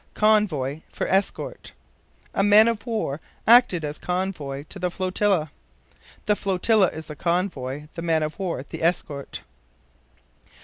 Convoy for Escort. "A man of war acted as convoy to the flotilla." The flotilla is the convoy, the man of war the escort.